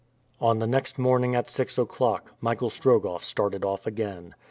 On the next morning at six o'clock, Michael Strogoff started off again.